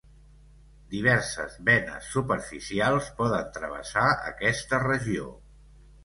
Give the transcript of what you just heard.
Diverses venes superficials poden travessar aquesta regió.